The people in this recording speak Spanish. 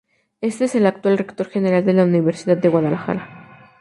Es el actual Rector General de la Universidad de Guadalajara.